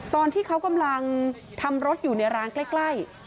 ตอนที่เขากำลังทำรถอยู่ในร้านใกล้